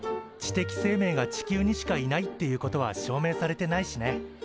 知的生命が地球にしかいないっていうことは証明されてないしね。